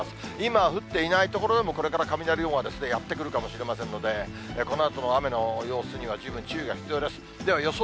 今降っていない所でも、これから雷雲がやって来るかもしれませんので、このあとの雨の様子には十分注意が必要です。